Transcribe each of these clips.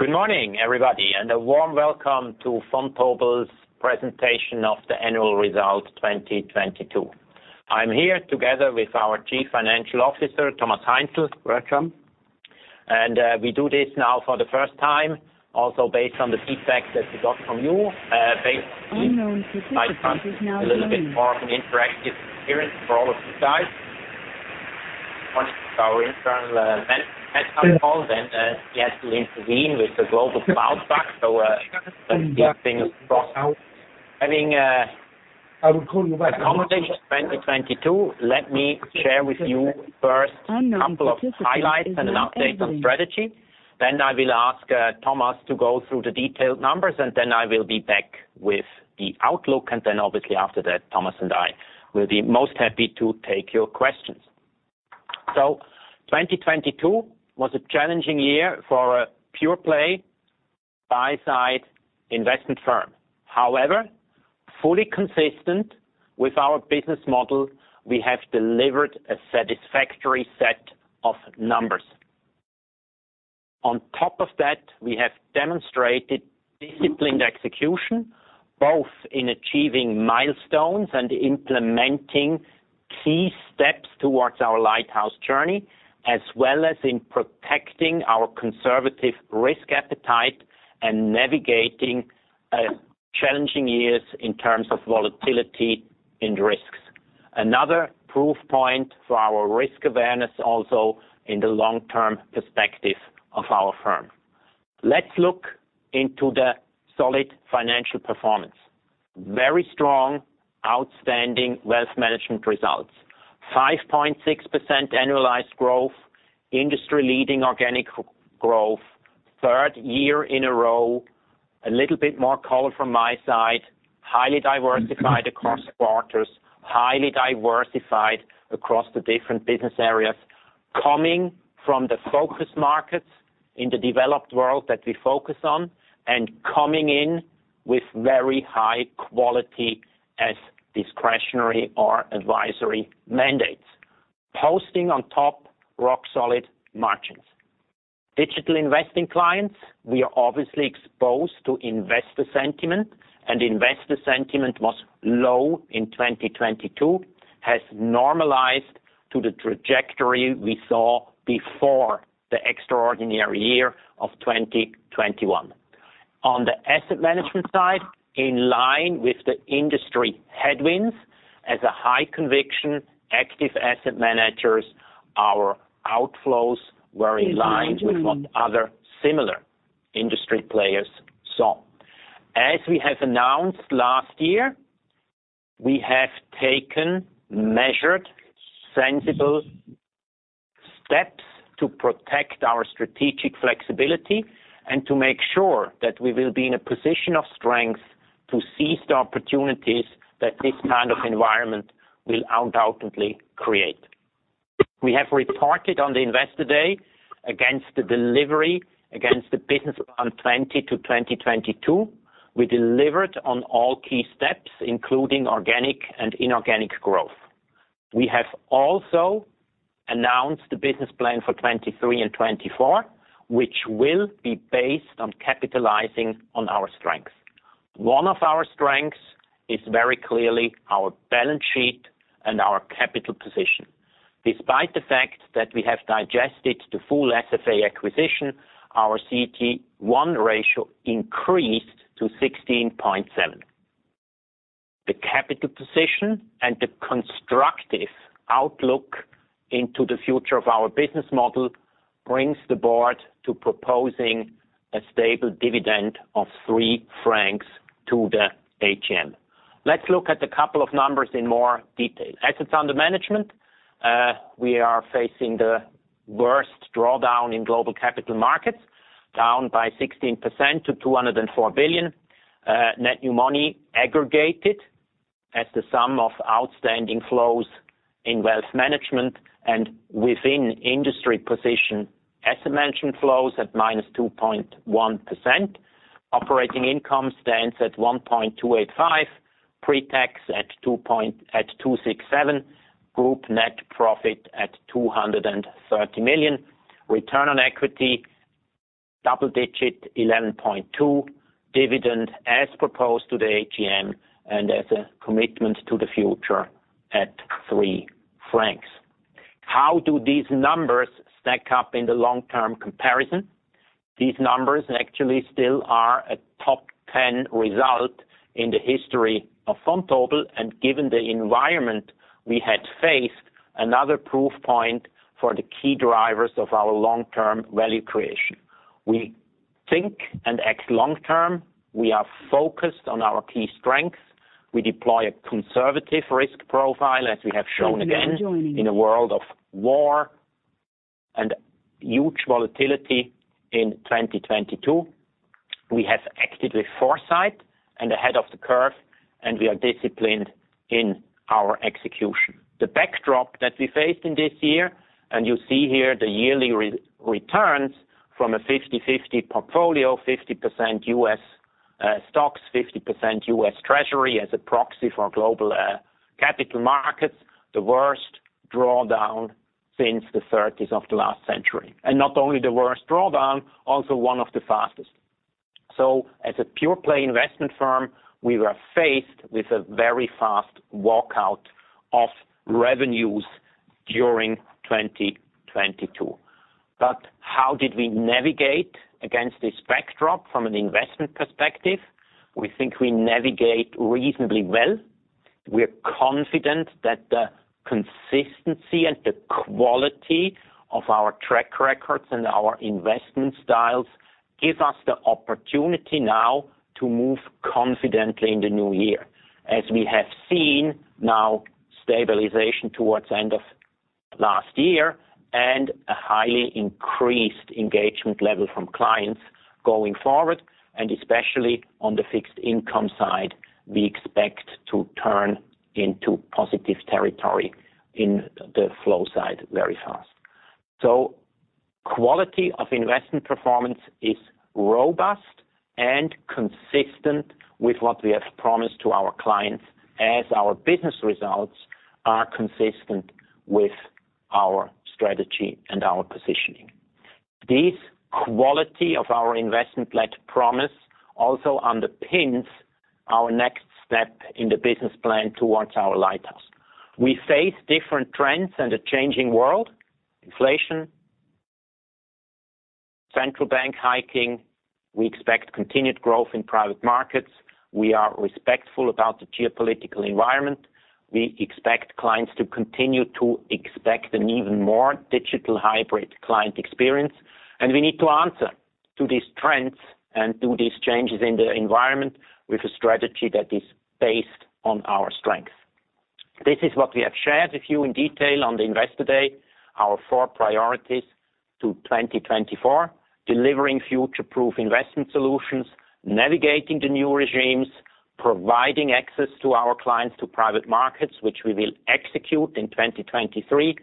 Good morning, everybody, and a warm welcome to Vontobel's presentation of the annual results 2022. I'm here together with our chief financial officer, Thomas Heinzl. Welcome. We do this now for the first time also based on the feedback that we got from you, basically by trying a little bit more of an interactive experience for all of you guys. Monitoring our internal WebEx call, then he had to intervene with the global cloud back-up, so that's good things. Having covered 2022, let me share with you first couple of highlights and an update on strategy. I will ask Thomas to go through the detailed numbers, and then I will be back with the outlook, and then obviously after that, Thomas and I will be most happy to take your questions. 2022 was a challenging year for a pure play buy-side investment firm. However, fully consistent with our business model, we have delivered a satisfactory set of numbers. On top of that, we have demonstrated disciplined execution, both in achieving milestones and implementing key steps towards our Lighthouse journey, as well as in protecting our conservative risk appetite and navigating challenging years in terms of volatility and risks. Another proof point for our risk awareness also in the long-term perspective of our firm. Let's look into the solid financial performance. Very strong, outstanding wealth management results. 5.6% annualized growth, industry-leading organic growth, third year in a row, a little bit more color from my side, highly diversified across quarters, highly diversified across the different business areas, coming from the focus markets in the developed world that we focus on and coming in with very high quality as discretionary or advisory mandates. Posting, on top, rock-solid margins. Digital Investing clients, we are obviously exposed to investor sentiment, and investor sentiment was low in 2022, has normalized to the trajectory we saw before the extraordinary year of 2021. On the asset management side, in line with the industry headwinds, as a high-conviction active asset managers, our outflows were in line with what other similar industry players saw. As we have announced last year, we have taken measured, sensible steps to protect our strategic flexibility and to make sure that we will be in a position of strength to seize the opportunities that this kind of environment will undoubtedly create. We have reported on the Investor Day against the delivery, against the business plan 2020-2022. We delivered on all key steps, including organic and inorganic growth. We have also announced the business plan for 2023 and 2024, which will be based on capitalizing on our strengths. One of our strengths is very clearly our balance sheet and our capital position. Despite the fact that we have digested the full SFA acquisition, our CET1 ratio increased to 16.7. The capital position and the constructive outlook into the future of our business model brings the board to proposing a stable dividend of 3 francs to the AGM. Let's look at a couple of numbers in more detail. Assets under management, we are facing the worst drawdown in global capital markets, down by 16% to 204 billion. Net new money aggregated as the sum of outstanding flows in wealth management and within industry position. Asset management flows at -2.1%. Operating income stands at 1.285 billion. Pre-tax at 267 million. Group net profit at 230 million. Return on equity, double-digit, 11.2%. Dividend as proposed to the AGM and as a commitment to the future at 3 francs. How do these numbers stack up in the long-term comparison? These numbers actually still are a top 10 result in the history of Vontobel, and given the environment we had faced, another proof point for the key drivers of our long-term value creation. We think and act long term. We are focused on our key strengths. We deploy a conservative risk profile, as we have shown again in a world of war and huge volatility in 2022. We have acted with foresight and ahead of the curve, and we are disciplined in our execution. The backdrop that we faced in this year, and you see here the yearly returns from a 50/50 portfolio, 50% U.S. stocks, 50% U.S. Treasury as a proxy for global capital markets, the worst drawdown since the thirties of the last century. Not only the worst drawdown, also one of the fastest. As a pure play investment firm, we were faced with a very fast walkout of revenues during 2022. How did we navigate against this backdrop from an investment perspective? We think we navigate reasonably well. We are confident that the consistency and the quality of our track records and our investment styles give us the opportunity now to move confidently in the new year. As we have seen now stabilization towards end of last year and a highly increased engagement level from clients going forward, and especially on the fixed income side, we expect to turn into positive territory in the flow side very fast. Quality of investment performance is robust and consistent with what we have promised to our clients as our business results are consistent with our strategy and our positioning. This quality of our investment pledge promise also underpins our next step in the business plan towards our Lighthouse. We face different trends in the changing world. Inflation, central bank hiking. We expect continued growth in private markets. We are respectful about the geopolitical environment. We expect clients to continue to expect an even more digital hybrid client experience. We need to answer to these trends and to these changes in the environment with a strategy that is based on our strength. This is what we have shared with you in detail on the Investor Day, our four priorities to 2024, delivering future-proof investment solutions, navigating the new regimes, providing access to our clients to private markets, which we will execute in 2023.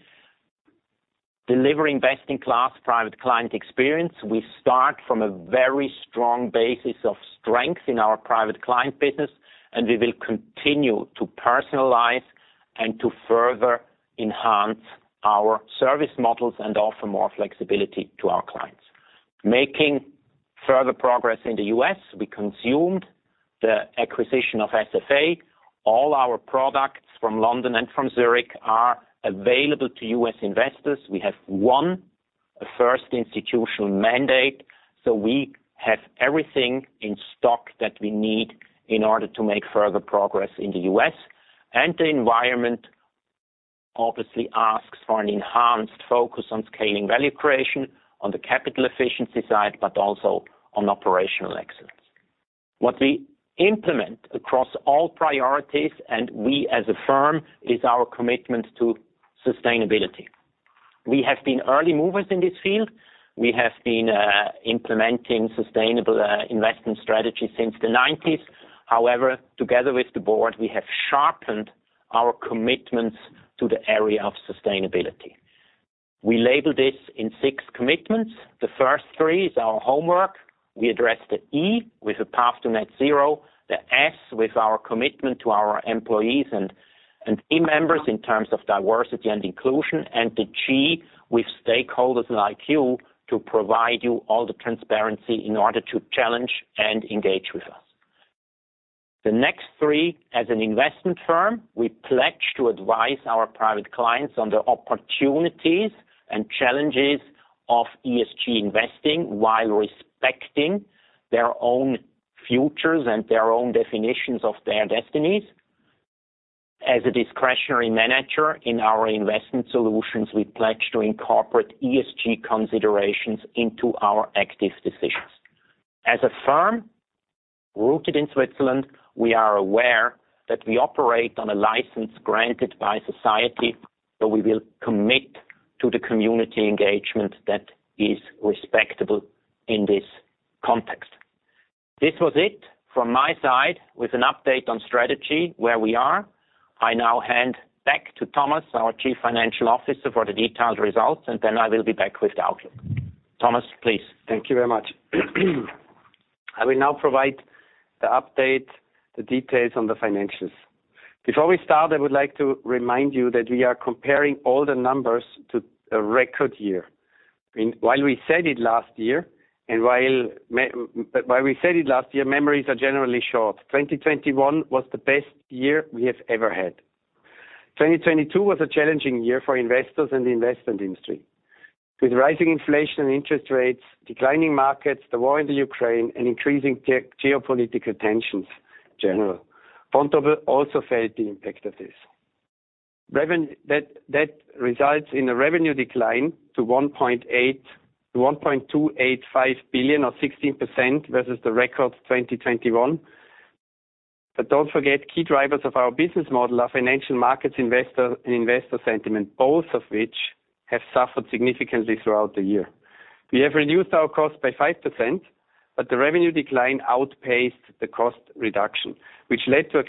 Delivering best-in-class private client experience. We start from a very strong basis of strength in our private client business, and we will continue to personalize and to further enhance our service models and offer more flexibility to our clients. Making further progress in the U.S., we consumed the acquisition of SFA. All our products from London and from Zurich are available to U.S. investors. We have won the first institutional mandate. We have everything in stock that we need in order to make further progress in the U.S. The environment obviously asks for an enhanced focus on scaling value creation on the capital efficiency side, but also on operational excellence. What we implement across all priorities and we as a firm is our commitment to sustainability. We have been early movers in this field. We have been implementing sustainable investment strategy since the nineties. Together with the board, we have sharpened our commitments to the area of sustainability. We label this in six commitments. The first three is our homework. We address the E with a path to net zero, the S with our commitment to our employees and team members in terms of diversity and inclusion, and the G with stakeholders like you to provide you all the transparency in order to challenge and engage with us. The next three, as an investment firm, we pledge to advise our private clients on the opportunities and challenges of ESG investing while respecting their own futures and their own definitions of their destinies. As a discretionary manager in our investment solutions, we pledge to incorporate ESG considerations into our active decisions. As a firm rooted in Switzerland, we are aware that we operate on a license granted by society, we will commit to the community engagement that is respectable in this context. This was it from my side with an update on strategy, where we are. I now hand back to Thomas, our chief financial officer, for the detailed results, and then I will be back with the outlook. Thomas, please. Thank you very much. I will now provide the update, the details on the financials. Before we start, I would like to remind you that we are comparing all the numbers to a record year. I mean, while we said it last year, memories are generally short. 2021 was the best year we have ever had. 2022 was a challenging year for investors and the investment industry. With rising inflation and interest rates, declining markets, the war in the Ukraine, and increasing geopolitical tensions general. Vontobel also felt the impact of this. That results in a revenue decline to 1.285 billion or 16% versus the record 2021. Don't forget, key drivers of our business model are financial markets investor and investor sentiment, both of which have suffered significantly throughout the year. We have reduced our cost by 5%, but the revenue decline outpaced the cost reduction, which led to a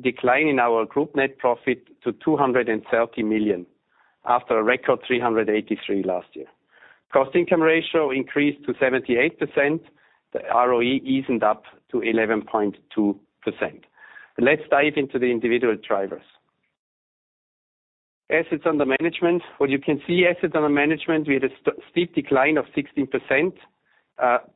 decline in our group net profit to 230 million after a record 383 million last year. Cost-income ratio increased to 78%. The ROE eased up to 11.2%. Let's dive into the individual drivers. Assets under management. What you can see, assets under management, we had a steep decline of 16%,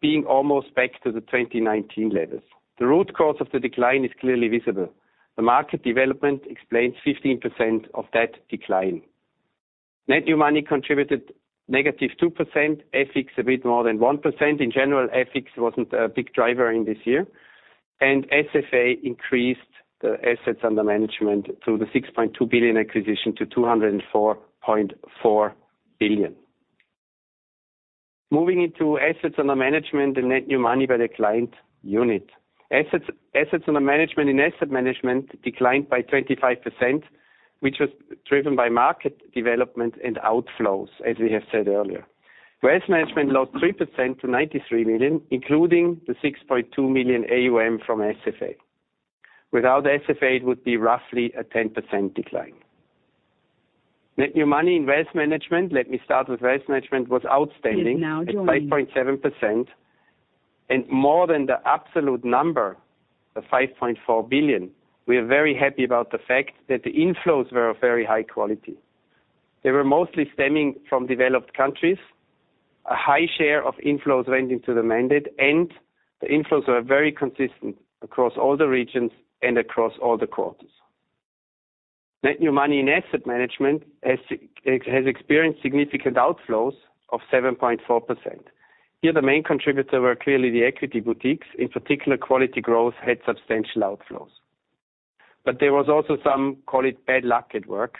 being almost back to the 2019 levels. The root cause of the decline is clearly visible. The market development explains 15% of that decline. Net new money contributed negative 2%, FX a bit more than 1%. In general, FX wasn't a big driver in this year, and SFA increased the assets under management through the 6.2 billion acquisition to 204.4 billion. Moving into assets under management and net new money by the client unit. Assets under management in asset management declined by 25%, which was driven by market development and outflows, as we have said earlier. Wealth management lost 3% to 93 million, including the 6.2 million AUM from SFA. Without SFA, it would be roughly a 10% decline. Net new money in wealth management, let me start with wealth management, was outstanding. Is now joining. At 5.7% and more than the absolute number, the 5.4 billion. We are very happy about the fact that the inflows were of very high quality. They were mostly stemming from developed countries. A high share of inflows went into the mandate, and the inflows were very consistent across all the regions and across all the quarters. Net new money in asset management has experienced significant outflows of 7.4%. Here, the main contributor were clearly the equity boutiques. In particular, Quality Growth had substantial outflows. There was also some, call it, bad luck at work.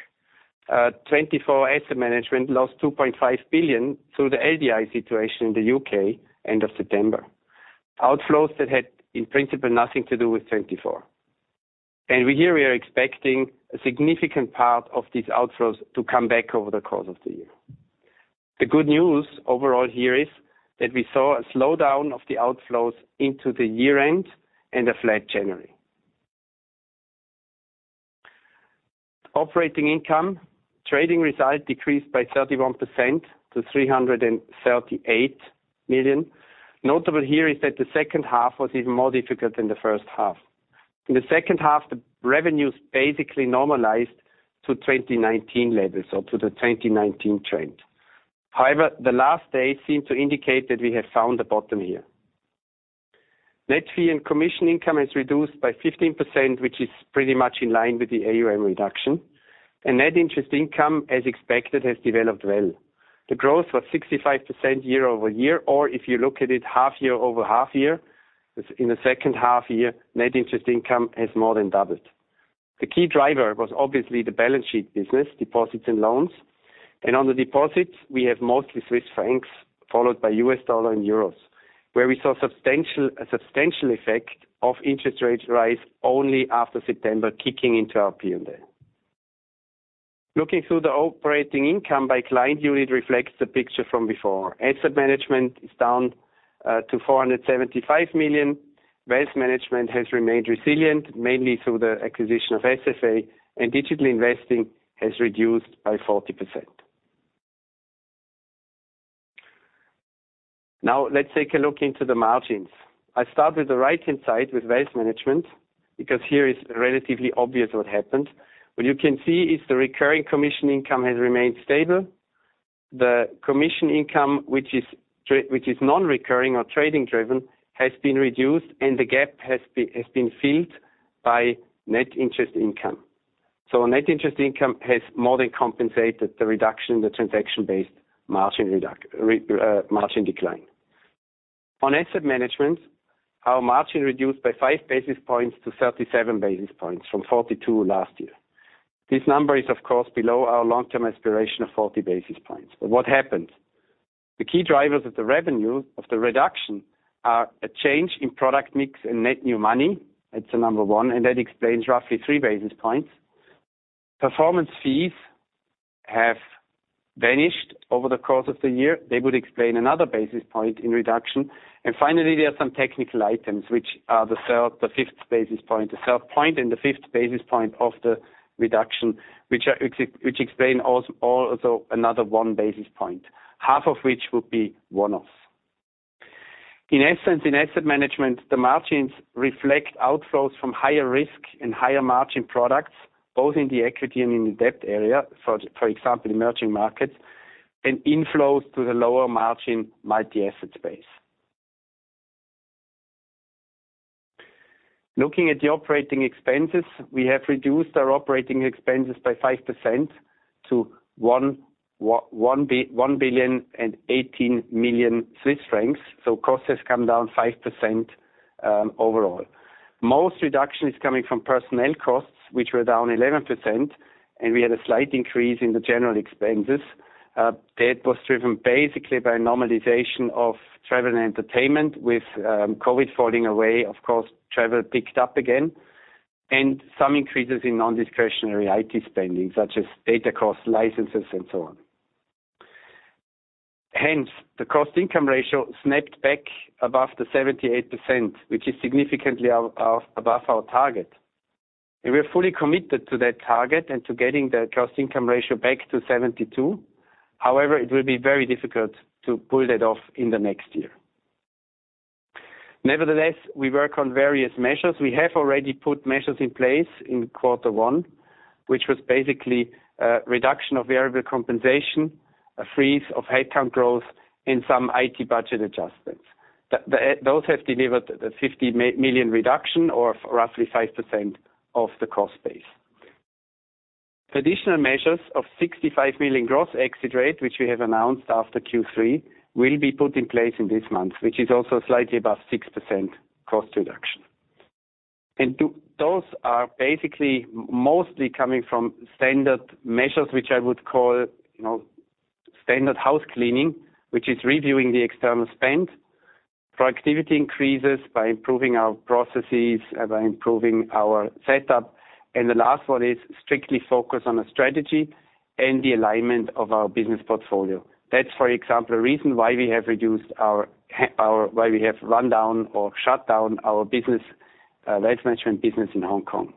TwentyFour Asset Management lost 2.5 billion through the LDI situation in the UK end of September. Outflows that had, in principle, nothing to do with TwentyFour. Here we are expecting a significant part of these outflows to come back over the course of the year. The good news overall here is that we saw a slowdown of the outflows into the year-end and a flat January. Operating income. Trading results decreased by 31% to 338 million. Notable here is that the second half was even more difficult than the first half. In the second half, the revenues basically normalized to 2019 levels or to the 2019 trend. However, the last days seem to indicate that we have found the bottom here. Net fee and commission income is reduced by 15%, which is pretty much in line with the AUM reduction. Net interest income, as expected, has developed well. The growth was 65% year-over-year, or if you look at it half-year over half-year, in the second half year, net interest income has more than doubled. The key driver was obviously the balance sheet business, deposits and loans. On the deposits, we have mostly Swiss francs, followed by U.S. dollar and euros, where we saw a substantial effect of interest rates rise only after September, kicking into our P&L. Looking through the operating income by client unit reflects the picture from before. Asset management is down to 475 million. Wealth management has remained resilient, mainly through the acquisition of SFA, and Digital Investing has reduced by 40%. Now let's take a look into the margins. I start with the right-hand side with wealth management because here is relatively obvious what happened. What you can see is the recurring commission income has remained stable. The commission income, which is non-recurring or trading driven, has been reduced and the gap has been filled by net interest income. Our net interest income has more than compensated the reduction in the transaction-based margin decline. On asset management, our margin reduced by 5 basis points to 37 basis points from 42 last year. This number is of course below our long-term aspiration of 40 basis points. What happened? The key drivers of the revenue of the reduction are a change in product mix and net new money. That's the number 1, and that explains roughly 3 basis points. Performance fees have vanished over the course of the year. They would explain another basis point in reduction. Finally, there are some technical items which are the 3rd, the 5th basis point, the 3rd point and the 5th basis point of the reduction, which explain another 1 basis point, half of which would be one-off. In essence, in asset management, the margins reflect outflows from higher risk and higher margin products, both in the equity and in the debt area, for example, emerging markets, and inflows to the lower margin multi-asset base. Looking at the operating expenses, we have reduced our operating expenses by 5% to 1.018 billion, so cost has come down 5% overall. Most reduction is coming from personnel costs, which were down 11%, and we had a slight increase in the general expenses. That was driven basically by normalization of travel and entertainment. With COVID falling away, of course, travel picked up again, and some increases in non-discretionary IT spending, such as data costs, licenses and so on. The Cost-income ratio snapped back above the 78%, which is significantly our above our target. We are fully committed to that target and to getting the Cost-income ratio back to 72%. It will be very difficult to pull that off in the next year. We work on various measures. We have already put measures in place in Q1, which was basically reduction of variable compensation, a freeze of headcount growth, and some IT budget adjustments. Those have delivered the 50 million reduction or roughly 5% of the cost base. Additional measures of 65 million gross exit rate, which we have announced after Q3, will be put in place in this month, which is also slightly above 6% cost reduction. Those are basically mostly coming from standard measures, which I would call, you know, standard house cleaning, which is reviewing the external spend. Productivity increases by improving our processes and by improving our setup. The last one is strictly focused on the strategy and the alignment of our business portfolio. That's, for example, a reason why we have reduced our why we have run down or shut down our business wealth management business in Hong Kong.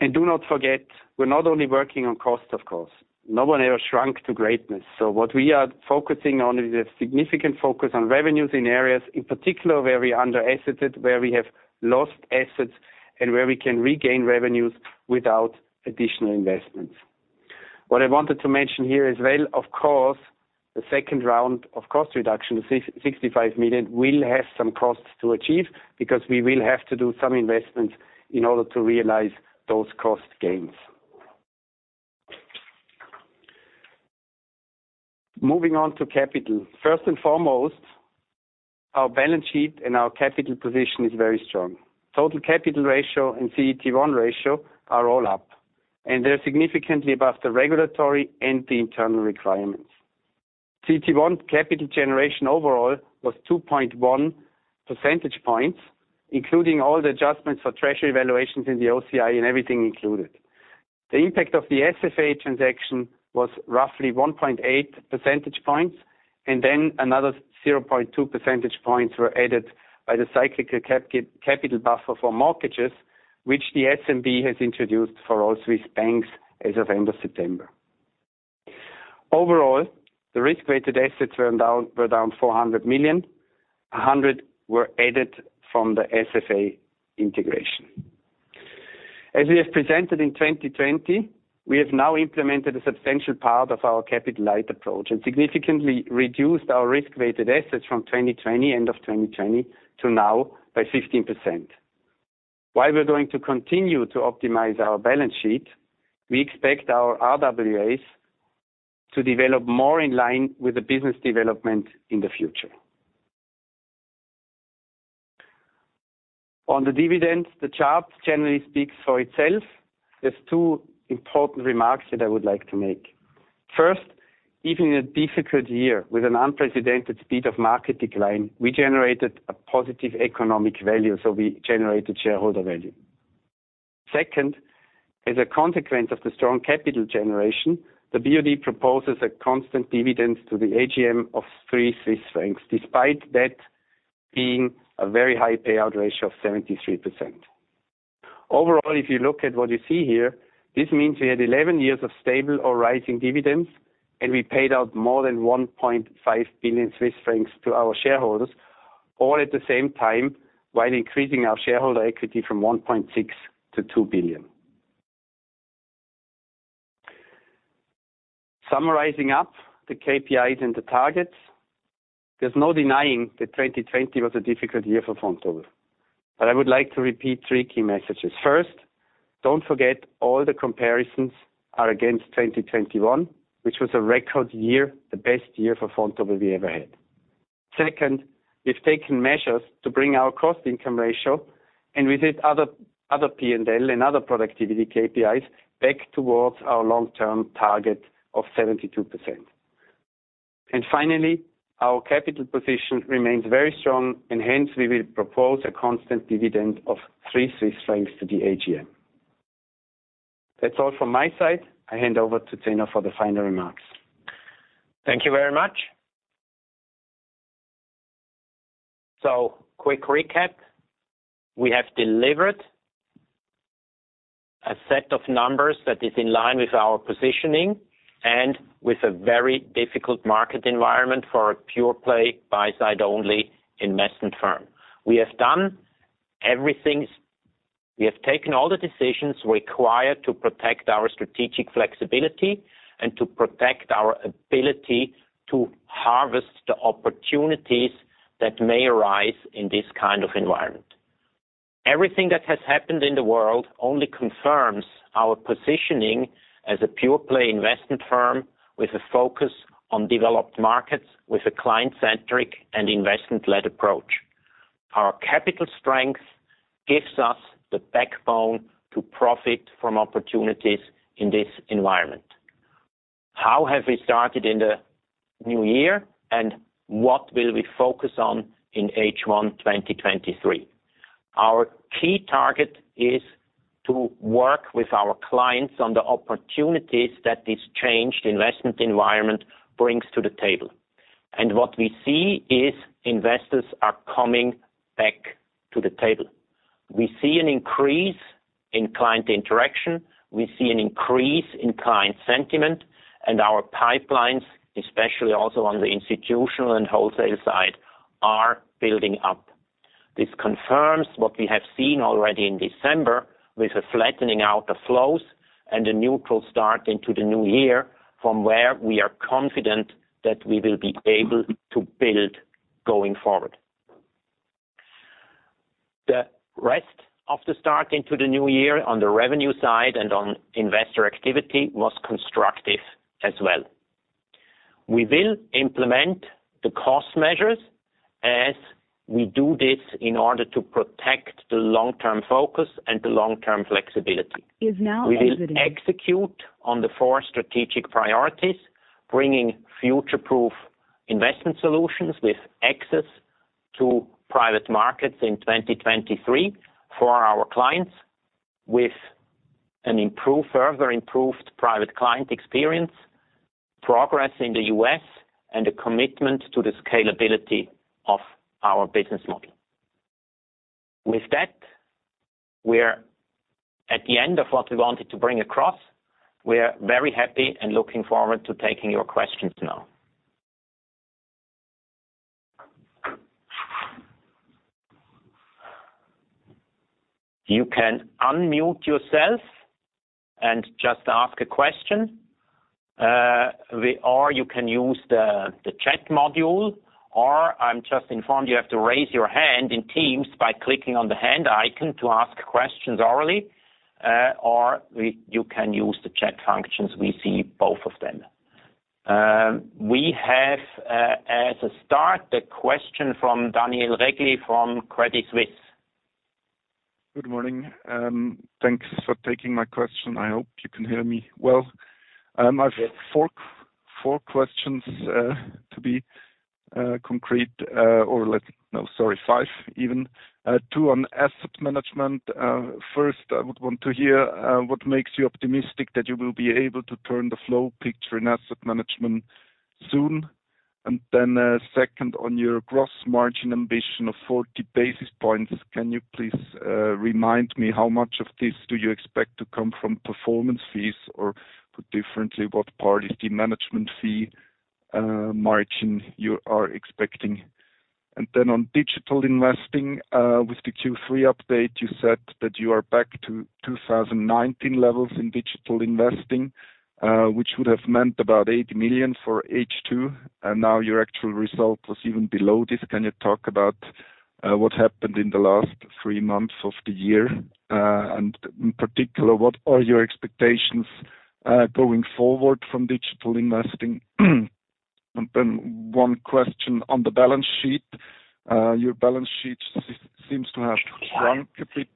Do not forget, we're not only working on cost, of course. No one ever shrunk to greatness. What we are focusing on is a significant focus on revenues in areas, in particular where we're under-invested, where we have lost assets, and where we can regain revenues without additional investments. What I wanted to mention here as well, of course, the second round of cost reduction, 65 million, will have some costs to achieve because we will have to do some investments in order to realize those cost gains. Moving on to capital. First and foremost, our balance sheet and our capital position is very strong. Total capital ratio and CET1 ratio are all up, and they're significantly above the regulatory and the internal requirements. CET1 capital generation overall was 2.1 percentage points, including all the adjustments for treasury valuations in the OCI and everything included. The impact of the SFA transaction was roughly 1.8 percentage points, and then another 0.2 percentage points were added by the cyclical capital buffer for mortgages, which the SNB has introduced for all Swiss banks as of end of September. Overall, the risk-weighted assets were down 400 million. 100 were added from the SFA integration. As we have presented in 2020, we have now implemented a substantial part of our capital light approach and significantly reduced our risk-weighted assets from 2020, end of 2020, to now by 15%. While we're going to continue to optimize our balance sheet, we expect our RWA to develop more in line with the business development in the future. On the dividends, the chart generally speaks for itself. There's two important remarks that I would like to make. Even in a difficult year with an unprecedented speed of market decline, we generated a positive economic value, we generated shareholder value. As a consequence of the strong capital generation, the BoD proposes a constant dividend to the AGM of 3 Swiss francs, despite that being a very high payout ratio of 73%. If you look at what you see here, this means we had 11 years of stable or rising dividends, we paid out more than 1.5 billion Swiss francs to our shareholders, all at the same time, while increasing our shareholder equity from 1.6 billion-2 billion. Summarizing up the KPIs and the targets, there's no denying that 2020 was a difficult year for Vontobel, I would like to repeat 3 key messages. First, don't forget all the comparisons are against 2021, which was a record year, the best year for Vontobel we ever had. Second, we've taken measures to bring our cost-income ratio and with it, other P&L and other productivity KPIs back towards our long-term target of 72%. Finally, our capital position remains very strong and hence we will propose a constant dividend of 3 Swiss francs to the AGM. That's all from my side. I hand over to Zeno for the final remarks. Thank you very much. Quick recap. We have delivered a set of numbers that is in line with our positioning and with a very difficult market environment for a pure-play buy-side only investment firm. We have done everything. We have taken all the decisions required to protect our strategic flexibility and to protect our ability to harvest the opportunities that may arise in this kind of environment. Everything that has happened in the world only confirms our positioning as a pure-play investment firm with a focus on developed markets with a client-centric and investment-led approach. Our capital strength gives us the backbone to profit from opportunities in this environment. How have we started in the new year, and what will we focus on in H1 2023? Our key target is to work with our clients on the opportunities that this changed investment environment brings to the table. What we see is investors are coming back to the table. We see an increase in client interaction. We see an increase in client sentiment, and our pipelines, especially also on the institutional and wholesale side, are building up. This confirms what we have seen already in December with a flattening out of flows and a neutral start into the new year from where we are confident that we will be able to build going forward. The rest of the start into the new year on the revenue side and on investor activity was constructive as well. We will implement the cost measures as we do this in order to protect the long-term focus and the long-term flexibility. Is now exiting. We will execute on the four strategic priorities, bringing future-proof investment solutions with access to private markets in 2023 for our clients with a further improved private client experience, progress in the U.S., and a commitment to the scalability of our business model. With that, we're at the end of what we wanted to bring across. We're very happy and looking forward to taking your questions now. You can unmute yourself and just ask a question. You can use the chat module, or I'm just informed you have to raise your hand in Teams by clicking on the hand icon to ask questions orally, or you can use the chat functions. We see both of them. We have, as a start, the question from Daniel Regli from Credit Suisse. Good morning. Thanks for taking my question. I hope you can hear me well. I've four questions to be concrete, or five even, two on asset management. First, I would want to hear what makes you optimistic that you will be able to turn the flow picture in asset management soon. Second, on your gross margin ambition of 40 basis points, can you please remind me how much of this do you expect to come from performance fees, or put differently, what part is the management fee margin you are expecting? On Digital Investing, with the Q3 update you said that you are back to 2019 levels in Digital Investing, which would have meant about 80 million for H2, now your actual result was even below this. Can you talk about what happened in the last three months of the year? In particular, what are your expectations going forward from Digital Investing? One question on the balance sheet. Your balance sheet seems to have shrunk a bit,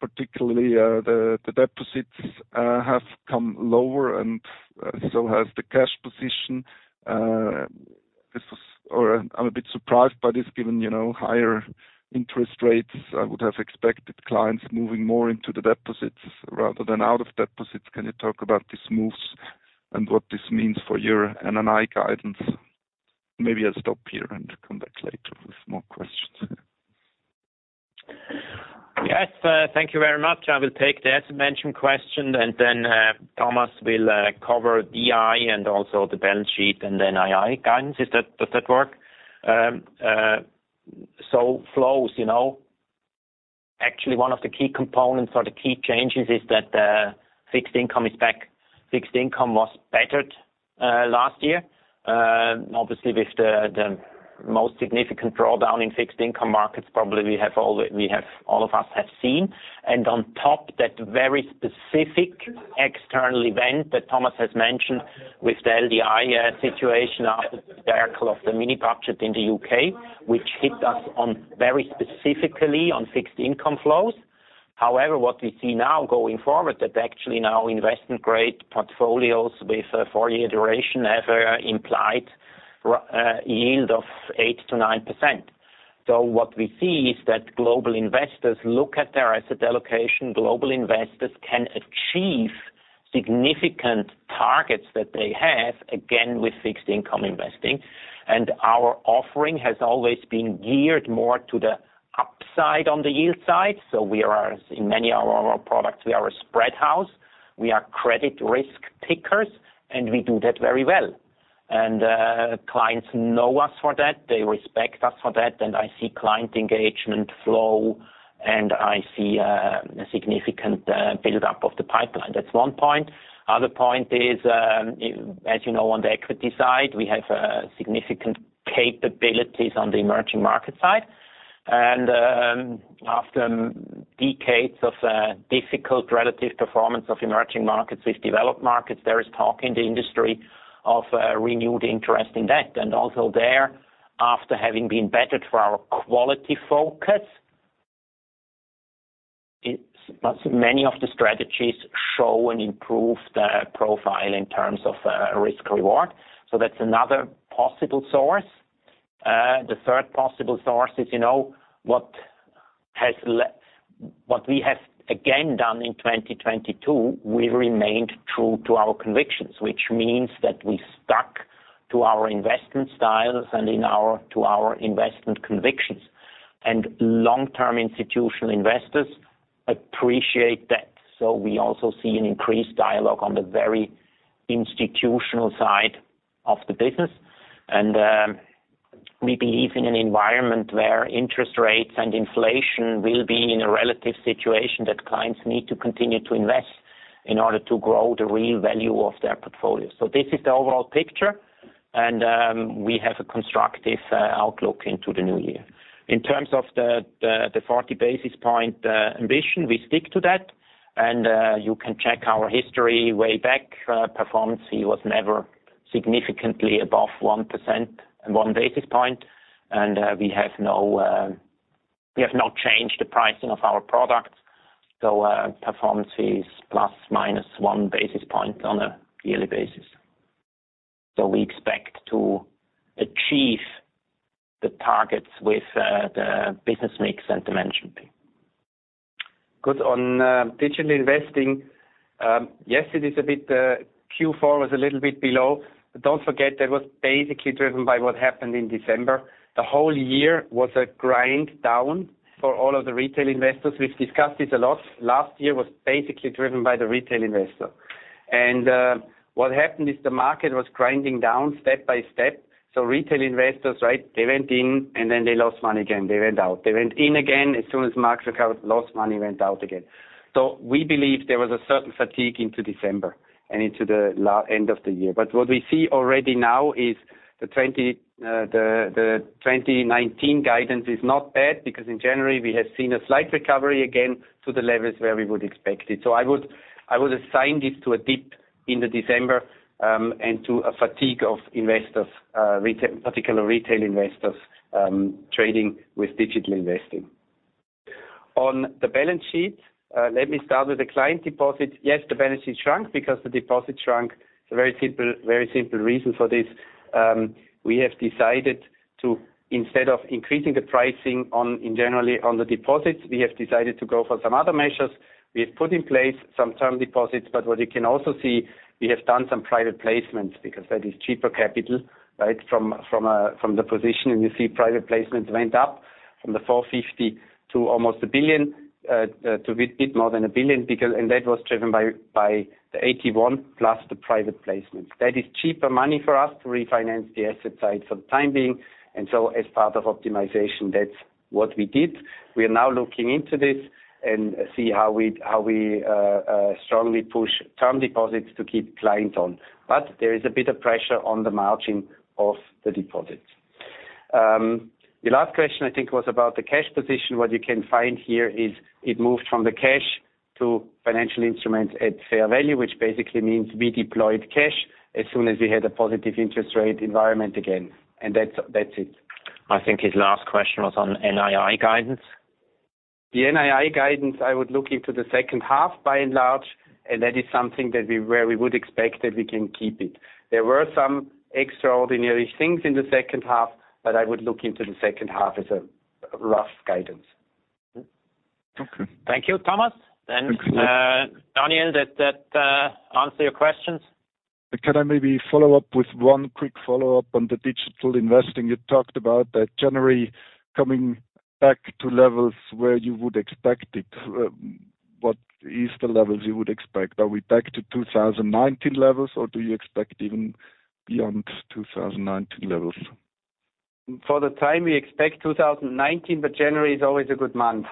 particularly, the deposits have come lower, so has the cash position. This was or I'm a bit surprised by this given, you know, higher interest rates. I would have expected clients moving more into the deposits rather than out of deposits. Can you talk about these moves and what this means for your NNI guidance? Maybe I'll stop here and come back later with more questions. Yes. Thank you very much. I will take the asset management question, then Thomas will cover DI and also the balance sheet and NNI guidance. Does that work? Flows, you know, actually one of the key components or the key changes is that fixed income is back. Fixed income was battered last year. Obviously, with the most significant drawdown in fixed income markets probably all of us have seen. On top, that very specific external event that Thomas has mentioned with the LDI situation after the debacle of the mini budget in the UK, which hit us very specifically on fixed income flows. What we see now going forward that actually now investment-grade portfolios with a four-year duration have an implied yield of 8%–9%. What we see is that global investors look at their asset allocation. Global investors can achieve significant targets that they have, again, with fixed income investing. Our offering has always been geared more to the upside on the yield side. We are, in many of our products, we are a spread house, we are credit risk takers, and we do that very well. Clients know us for that. They respect us for that. I see client engagement flow, and I see a significant buildup of the pipeline. That's 1 point. Other point is, as you know, on the equity side, we have significant capabilities on the emerging market side. After decades of difficult relative performance of emerging markets with developed markets, there is talk in the industry of renewed interest in that. Also there, after having been battered for our quality focus, so many of the strategies show an improved profile in terms of risk reward. That's another possible source. The third possible source is, you know, what... What we have again done in 2022, we remained true to our convictions, which means that we stuck to our investment styles and in our to our investment convictions. Long-term institutional investors appreciate that. We also see an increased dialogue on the very institutional side of the business. We believe in an environment where interest rates and inflation will be in a relative situation that clients need to continue to invest in order to grow the real value of their portfolio. This is the overall picture, we have a constructive outlook into the new year. In terms of the 40 basis point ambition, we stick to that. You can check our history way back, performance fee was never significantly above 1% and 1 basis point. We have not changed the pricing of our products. Performance is ±1 basis point on a yearly basis. We expect to achieve the targets with the business mix and management fee. Good. On Digital Investing, yes, it is a bit, Q4 was a little bit below. Don't forget that was basically driven by what happened in December. The whole year was a grind down for all of the retail investors. We've discussed this a lot. Last year was basically driven by the retail investor. What happened is the market was grinding down step by step. Retail investors, right, they went in, and then they lost money again. They went out. They went in again. As soon as the market recovered, lost money, went out again. We believe there was a certain fatigue into December and into the end of the year. What we see already now is the 2019 guidance is not bad because in January we have seen a slight recovery again to the levels where we would expect it. I would assign this to a dip in the December and to a fatigue of investors, particular retail investors, trading with Digital Investing. On the balance sheet, let me start with the client deposit. Yes, the balance sheet shrunk because the deposit shrunk. It's a very simple reason for this. We have decided to, instead of increasing the pricing on, in generally on the deposits, we have decided to go for some other measures. We have put in place some term deposits, what you can also see, we have done some private placements because that is cheaper capital, right? From the position. You see private placements went up from 450 to almost 1 billion, to a bit more than 1 billion because... That was driven by the AT1 plus the private placement. That is cheaper money for us to refinance the asset side for the time being. As part of optimization, that's what we did. We are now looking into this and see how we strongly push term deposits to keep clients on. There is a bit of pressure on the margin of the deposits. The last question I think was about the cash position. What you can find here is it moved from the cash to financial instruments at fair value, which basically means we deployed cash as soon as we had a positive interest rate environment again. That's, that's it. I think his last question was on NII guidance. The NII guidance, I would look into the second half by and large. That is something where we would expect that we can keep it. There were some extraordinary things in the second half. I would look into the second half as a rough guidance. Okay. Thank you, Thomas. Daniel, does that answer your questions? Can I maybe follow up with one quick follow-up on the Digital Investing? You talked about that January coming back to levels where you would expect it. What is the levels you would expect? Are we back to 2019 levels, or do you expect even beyond 2019 levels? For the time we expect 2019, but January is always a good month,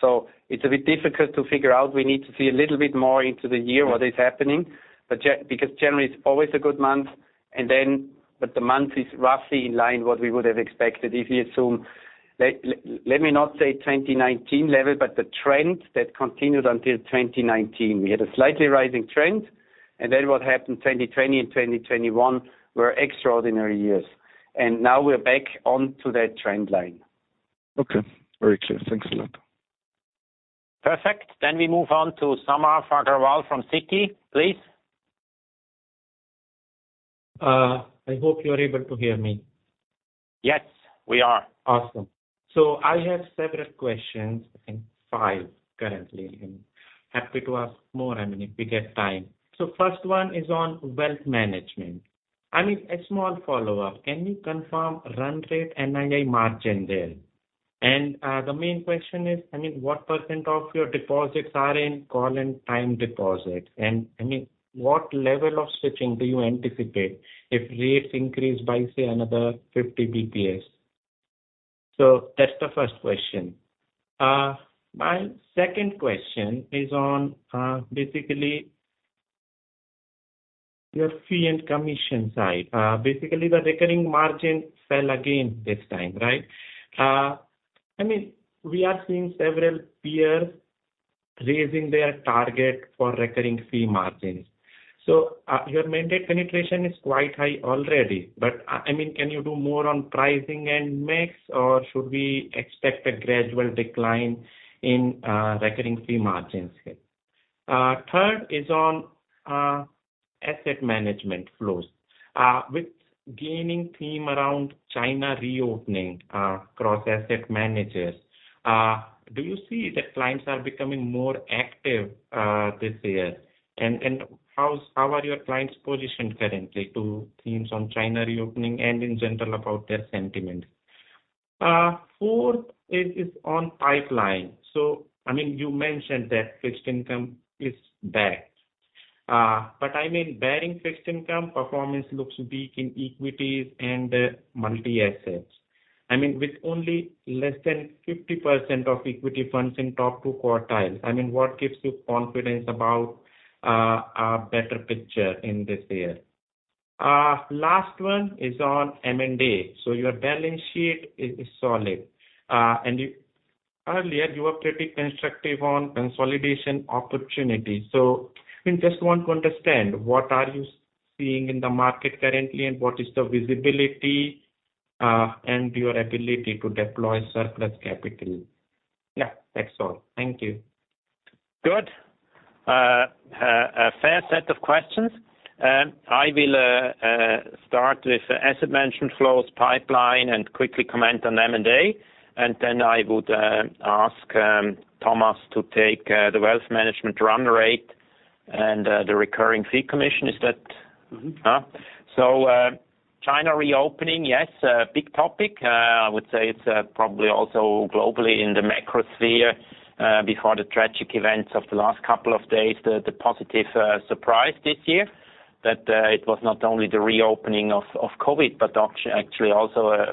so it's a bit difficult to figure out. We need to see a little bit more into the year what is happening. Because January is always a good month but the month is roughly in line what we would have expected if you assume... let me not say 2019 level, but the trend that continued until 2019. We had a slightly rising trend, what happened, 2020 and 2021 were extraordinary years. Now we're back onto that trend line. Okay, very clear. Thanks a lot. Perfect. We move on to Samarth Agrawal from Citi, please. I hope you're able to hear me. Yes, we are. Awesome. I have several questions, I think 5 currently, and happy to ask more, I mean, if we get time. First one is on wealth management. I mean, a small follow-up. Can you confirm run rate NII margin there? The main question is, I mean, what % of your deposits are in call and time deposits? I mean, what level of switching do you anticipate if rates increase by, say, another 50 basis points? That's the first question. My second question is on, basically your fee and commission side. Basically, the recurring margin fell again this time, right? I mean, we are seeing several peers raising their target for recurring fee margins. Your mandate penetration is quite high already. I mean, can you do more on pricing and mix, or should we expect a gradual decline in recurring fee margins here? Third is on asset management flows. With gaining theme around China reopening, cross asset managers, do you see that clients are becoming more active this year? How are your clients positioned currently to themes on China reopening and in general about their sentiment? Fourth is on pipeline. I mean, you mentioned that fixed income is back. I mean, barring fixed income, performance looks weak in equities and multi-assets. I mean, with only less than 50% of equity funds in top two quartiles. I mean, what gives you confidence about a better picture in this year? Last one is on M&A. Your balance sheet is solid. You earlier, you were pretty constructive on consolidation opportunities. I mean, just want to understand what are you seeing in the market currently and what is the visibility, and your ability to deploy surplus capital? Yeah, that's all. Thank you. Good. A fair set of questions. I will start with asset management flows pipeline and quickly comment on M&A. Then I would ask Thomas to take the wealth management run rate and the recurring fee commission. Mm-hmm. China reopening—yes, a big topic. I would say it's probably also globally in the macro sphere, before the tragic events of the last couple of days, the positive surprise this year that it was not only the reopening of COVID, but actually also a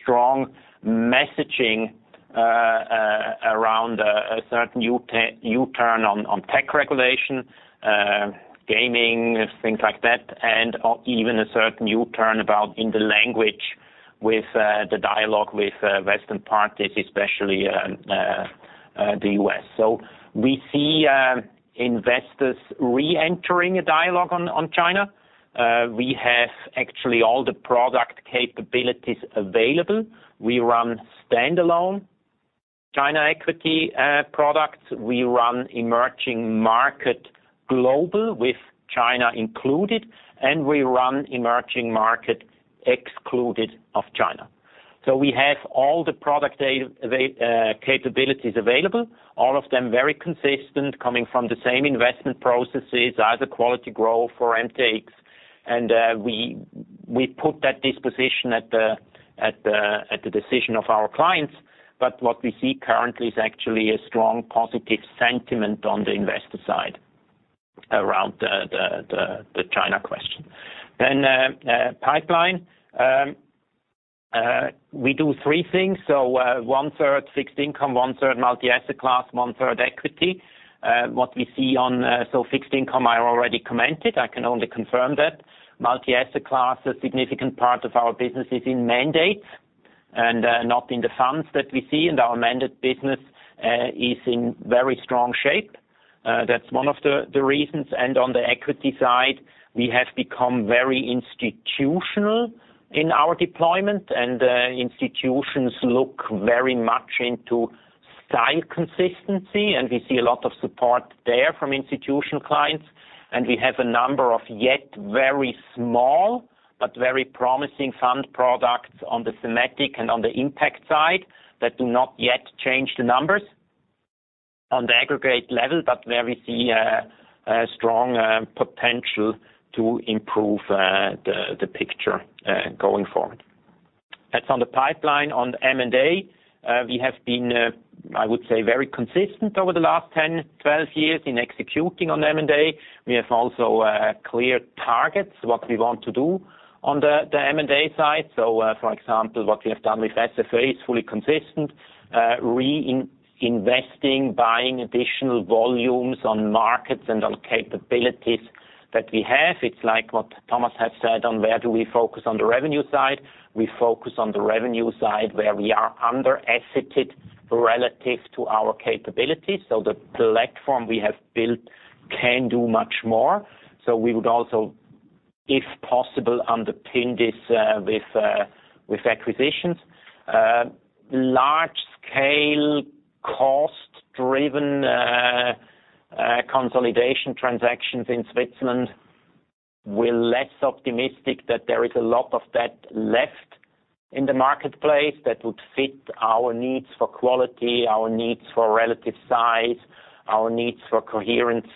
strong messaging around a certain U-turn on tech regulation, gaming, things like that, and even a certain U-turn about in the language with the dialogue with Western parties, especially the US. We see investors reentering a dialogue on China. We have actually all the product capabilities available. We run standalone China equity products. We run emerging market global with China included, and we run emerging market excluded of China. We have all the product capabilities available, all of them very consistent coming from the same investment processes, either Quality Growth or TwentyFour. We put that disposition at the decision of our clients. What we see currently is actually a strong positive sentiment on the investor side around the China question. Pipeline. We do three things. One-third fixed income, one-third multi-asset class, one-third equity. What we see on... Fixed income, I already commented, I can only confirm that. Multi-asset class, a significant part of our business is in mandate and not in the funds that we see, and our mandate business is in very strong shape. That's one of the reasons. On the equity side, we have become very institutional in our deployment, and institutions look very much into style consistency, and we see a lot of support there from institutional clients. We have a number of yet very small but very promising fund products on the thematic and on the impact side that do not yet change the numbers on the aggregate level, but where we see a strong potential to improve the picture going forward. That's on the pipeline. On M&A, we have been, I would say, very consistent over the last 10, 12 years in executing on M&A. We have also clear targets, what we want to do on the M&A side. For example, what we have done with SFA is fully consistent, reinvesting, buying additional volumes on markets and on capabilities that we have. It's like what Thomas has said on where do we focus on the revenue side. We focus on the revenue side where we are under-asseted relative to our capabilities. The platform we have built can do much more. We would also, if possible, underpin this with acquisitions. Large scale cost-driven consolidation transactions in Switzerland, we're less optimistic that there is a lot of that left in the marketplace that would fit our needs for quality, our needs for relative size, our needs for coherence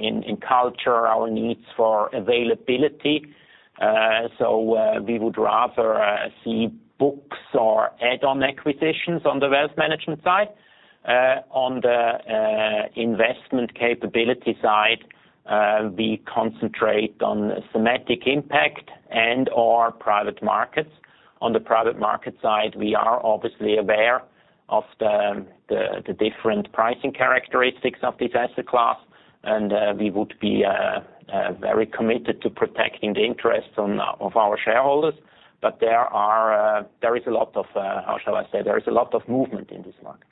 in culture, our needs for availability. We would rather see books or add-on acquisitions on the wealth management side. On the investment capability side, we concentrate on thematic impact and/or private markets. On the private market side, we are obviously aware of the different pricing characteristics of this asset class, and we would be very committed to protecting the interests of our shareholders. There are, there is a lot of, how shall I say, there is a lot of movement in this market.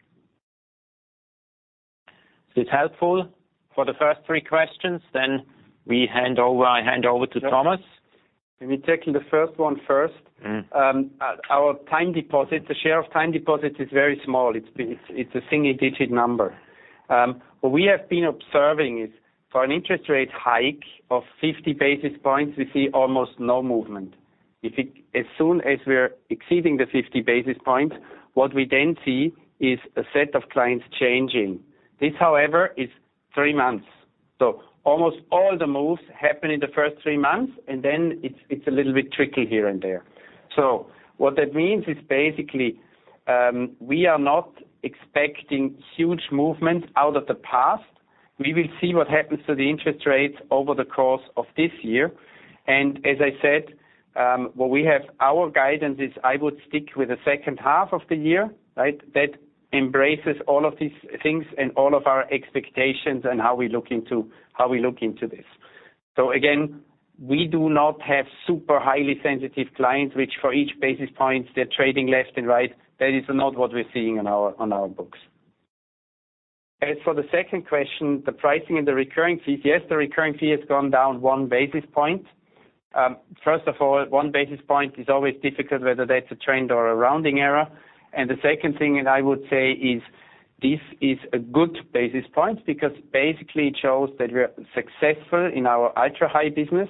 Is this helpful for the first three questions? I hand over to Thomas. Let me take the first one first. Mm-hmm. Our time deposit, the share of time deposit is very small. It's a single-digit number. What we have been observing is for an interest rate hike of 50 basis points, we see almost no movement. As soon as we're exceeding the 50 basis points, what we then see is a set of clients changing. This, however, is three months. Almost all the moves happen in the first three months, and then it's a little bit tricky here and there. What that means is basically, we are not expecting huge movements out of the past. We will see what happens to the interest rates over the course of this year. As I said, our guidance is I would stick with the second half of the year, right? That embraces all of these things and all of our expectations and how we look into, how we look into this. Again, we do not have super highly sensitive clients, which for each basis points they're trading left and right. That is not what we're seeing on our books. As for the second question, the pricing and the recurring fees. Yes, the recurring fee has gone down one basis point. First of all, one basis point is always difficult, whether that's a trend or a rounding error. The second thing, I would say is this is a good basis point because basically it shows that we are successful in our ultra-high business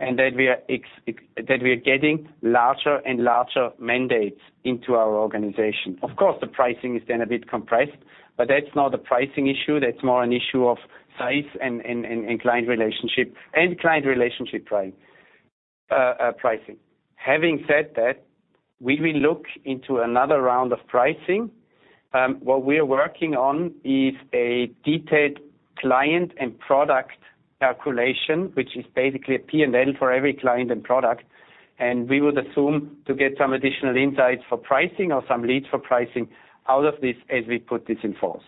and that we are getting larger and larger mandates into our organization. Of course, the pricing is then a bit compressed, but that's not a pricing issue. That's more an issue of size and client relationship and client-relationship pricing. Having said that, we will look into another round of pricing. What we are working on is a detailed client and product calculation, which is basically a P&L for every client and product, and we would assume to get some additional insights for pricing or some leads for pricing out of this as we put this in force.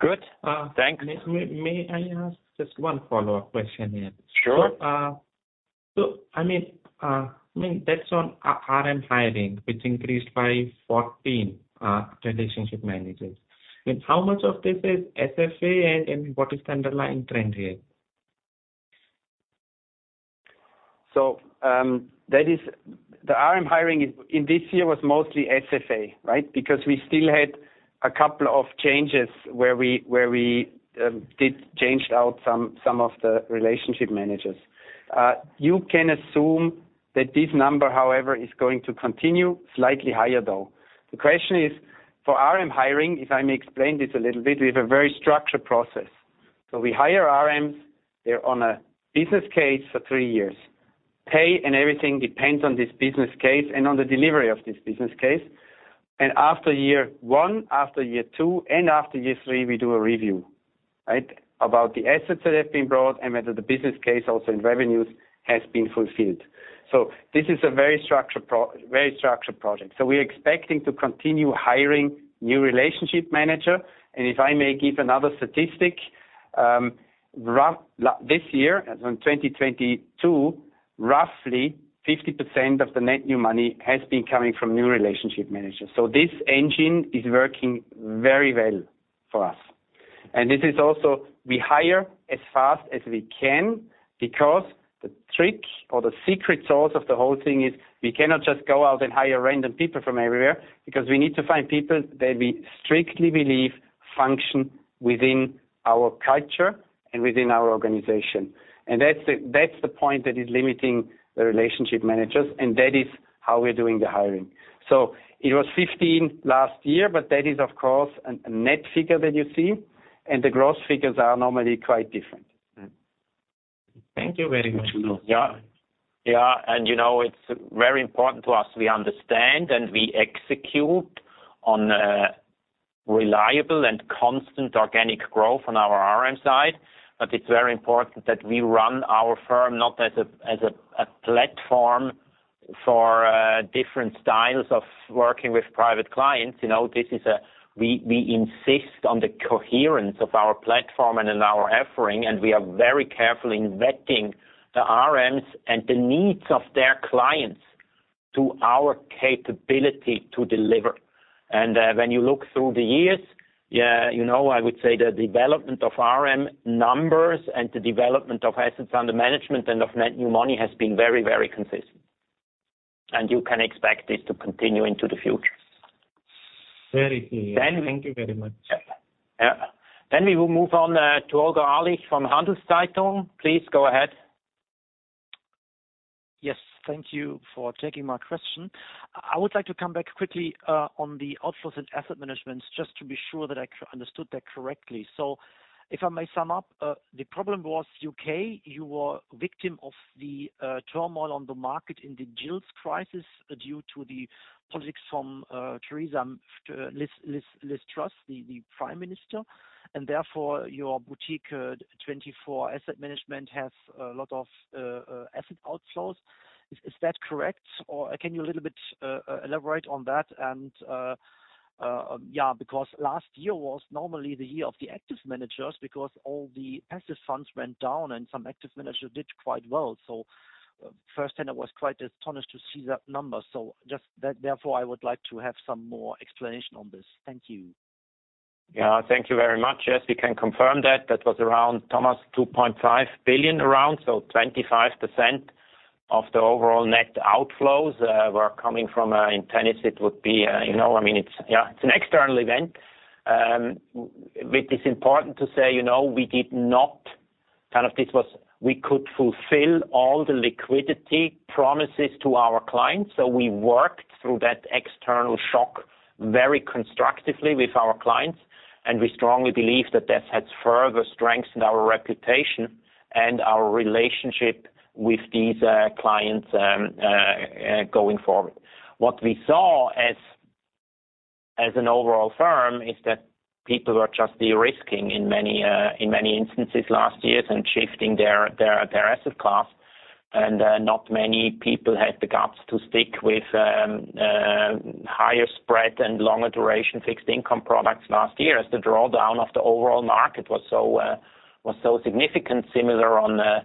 Good. Thanks. May I ask just one follow-up question here? Sure. I mean, that's on RM hiring, which increased by 14 relationship managers. I mean, how much of this is SFA and what is the underlying trend here? That is... The RM hiring is in this year was mostly SFA, right? We still had a couple of changes where we did change out some of the relationship managers. You can assume that this number, however, is going to continue slightly higher, though. The question is for RM hiring, if I may explain this a little bit, we have a very structured process. We hire RMs, they're on a business case for 3 years. Pay and everything depends on this business case and on the delivery of this business case. After year 1, after year 2, and after year 3, we do a review, right? About the assets that have been brought and whether the business case also in revenues has been fulfilled. This is a very structured project. We are expecting to continue hiring new relationship manager. If I may give another statistic, this year, as in 2022, roughly 50% of the net new money has been coming from new relationship managers. This engine is working very well for us. This is also we hire as fast as we can because the trick or the secret sauce of the whole thing is we cannot just go out and hire random people from everywhere because we need to find people that we strictly believe function within our culture and within our organization. That's the point that is limiting the relationship managers. That is how we are doing the hiring. It was 15 last year, but that is of course a net figure that you see, and the gross figures are normally quite different. Thank you very much, Rudolf. Yeah. Yeah. You know, it's very important to us we understand and we execute on reliable and constant organic growth on our RM side. It's very important that we run our firm not as a platform for different styles of working with private clients. You know, we insist on the coherence of our platform and in our offering. We are very carefully vetting the RMs and the needs of their clients to our capability to deliver. When you look through the years, you know, I would say the development of RM numbers and the development of assets under management and of net new money has been very, very consistent, and you can expect this to continue into the future. Very clear. Then- Thank you very much. Yeah. We will move on to Olga Scheer from Handelsblatt. Please go ahead. Yes. Thank you for taking my question. I would like to come back quickly on the outflows and asset managements, just to be sure that I understood that correctly. If I may sum up, the problem was UK, you were victim of the turmoil on the market in the gilts crisis due to the politics from Liz Truss, the Prime Minister, and therefore your Boutique TwentyFour Asset Management has a lot of asset outflows. Is that correct? Can you a little bit elaborate on that and yeah, because last year was normally the year of the active managers because all the passive funds went down and some active managers did quite well. Firsthand I was quite astonished to see that number. Just that, therefore, I would like to have some more explanation on this. Thank you. Thank you very much. Yes, we can confirm that. That was around, Thomas, 2.5 billion around, so 25% of the overall net outflows were coming from, in tennis it would be, you know, I mean it's an external event. With this important to say, you know, this was we could fulfill all the liquidity promises to our clients. We worked through that external shock very constructively with our clients, and we strongly believe that that has further strengthened our reputation and our relationship with these clients, going forward. What we saw as an overall firm is that people were just de-risking in many instances last years and shifting their asset class. Not many people had the guts to stick with higher spread and longer duration fixed income products last year as the drawdown of the overall market was so significant, similar on the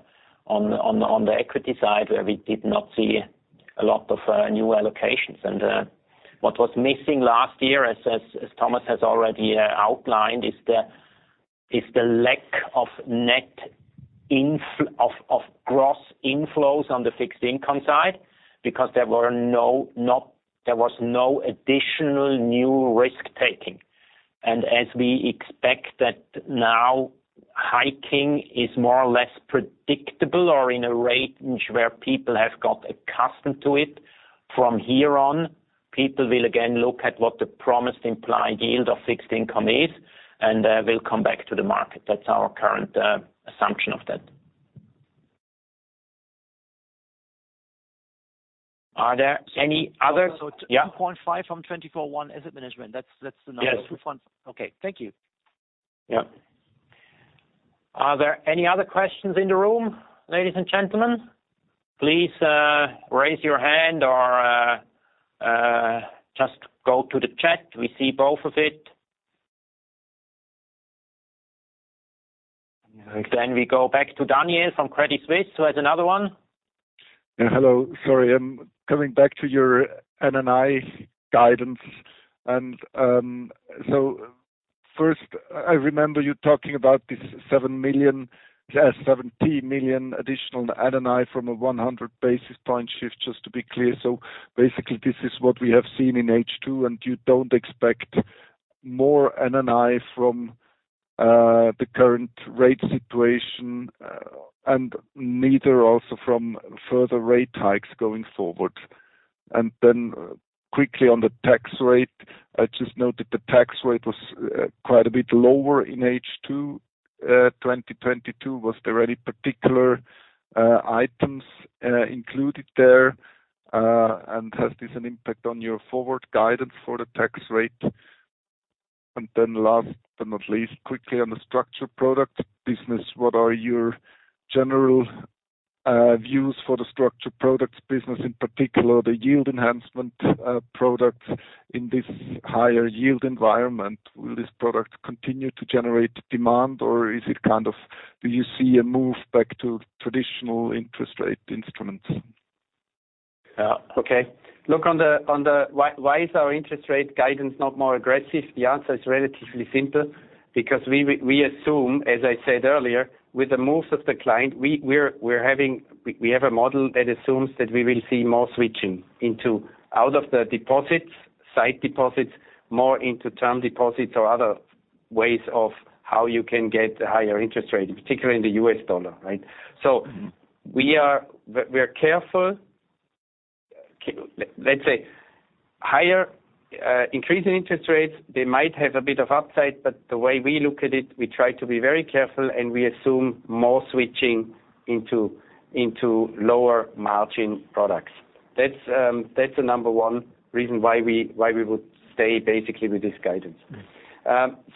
equity side where we did not see a lot of new allocations. What was missing last year, as Thomas has already outlined, is the lack of gross inflows on the fixed income side because there was no additional new risk-taking. As we expect that now hiking is more or less predictable or in a range where people have got accustomed to it, from here on, people will again look at what the promised implied yield of fixed income is, will come back to the market. That's our current assumption of that. Are there any other? So- Yeah. 2.5 from TwentyFour Asset Management. That's the number. Yes. Okay. Thank you. Yeah. Are there any other questions in the room, ladies and gentlemen? Please, raise your hand or, just go to the chat. We see both of it. We go back to Daniel from Credit Suisse, who has another one. Yeah. Hello. Sorry. I'm coming back to your NNI guidance. First, I remember you talking about this 7 million, 70 million additional NNI from a 100 basis point shift, just to be clear. Basically, this is what we have seen in H2, and you don't expect more NNI from the current rate situation, and neither also from further rate hikes going forward. Quickly on the tax rate, I just noted the tax rate was quite a bit lower in H2, 2022. Was there any particular items included there? Has this an impact on your forward guidance for the tax rate? Last but not least, quickly on the structured-products business, what are your general views for the structured-products business, in particular the yield enhancement products in this higher yield environment? Will this product continue to generate demand, or is it kind of, do you see a move back to traditional interest rate instruments? Look on the, on the why is our interest rate guidance not more aggressive? The answer is relatively simple. Because we assume, as I said earlier, with the moves of the client, we have a model that assumes that we will see more switching into out of the deposits, sight deposits, more into term deposits or other ways of how you can get higher interest rates, particularly in the US dollar, right? We're careful. Let's say higher increase in interest rates, they might have a bit of upside, but the way we look at it, we try to be very careful, and we assume more switching into lower margin products. That's the number one reason why we would stay basically with this guidance.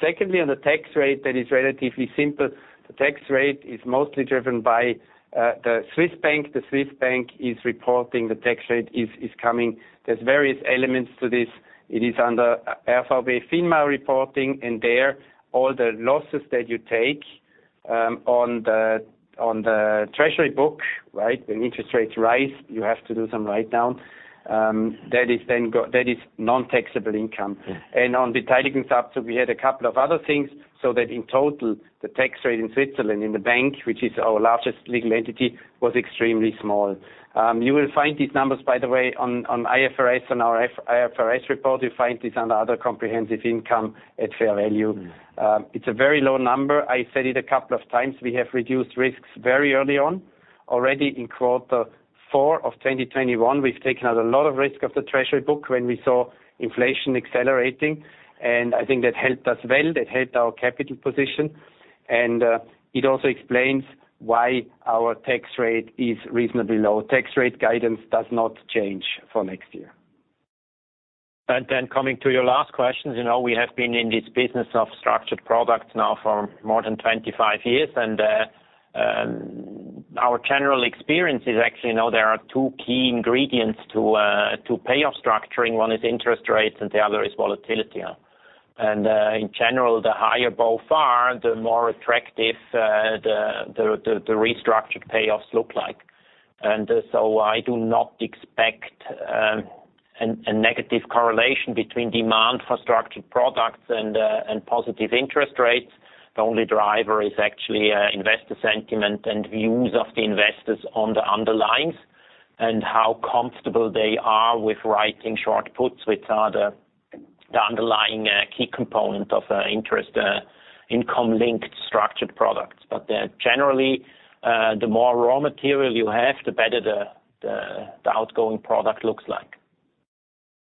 Secondly, on the tax rate, that is relatively simple. The tax rate is mostly driven by the Swiss Bank. The Swiss Bank is reporting the tax rate is coming. There's various elements to this. It is under FINMA reporting, and there, all the losses that you take on the treasury book, right? When interest rates rise, you have to do some write-down. That is non-taxable income. On the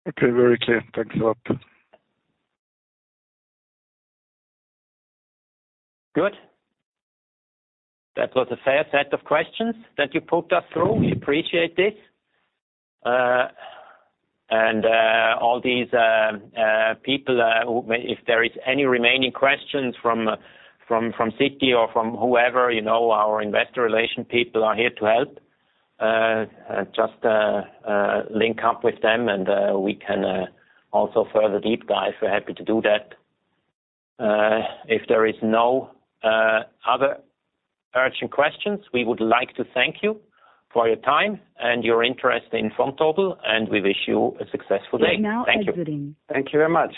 Okay. Very clear. Thanks a lot. Good. That was a fair set of questions that you put us through. We appreciate this. And all these people, if there is any remaining questions from Citi or from whoever, you know, our Investor Relations people are here to help. Just link up with them, and we can also further deep dive. We're happy to do that. If there is no other urgent questions, we would like to thank you for your time and your interest in Vontobel, and we wish you a successful day. You are now exiting. Thank you. Thank you very much.